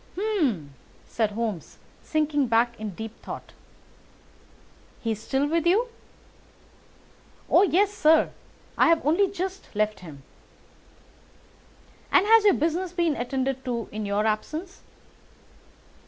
"Hum!" said Holmes, sinking back in deep thought. "He is still with you?" "Oh, yes, sir; I have only just left him." "And has your business been attended to in your absence?"